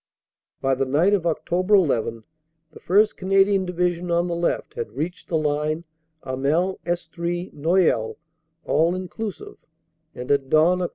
"By the night of Oct. 1 1 the 1st Canadian Division, on the left, had reached the line Hamel Estrees Noyelles (all inclu sive), and at dawn, Oct.